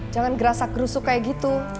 jangan gerasak gerusuk kayak gitu